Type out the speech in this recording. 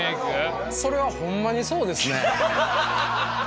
それはほんまにそうですね。